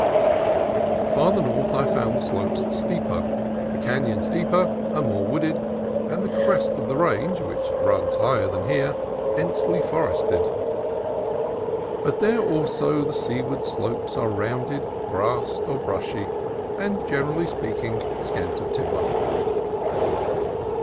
Farther north I found the slopes steeper, the canons deeper and more wooded, and the crest of the range (which runs higher than here) densely forested; but there also the seaward slopes are rounded, grassed or brushy, and, generally speaking, scant of timber.